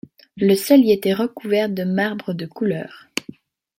Le sol y était recouvert de marbre de couleur.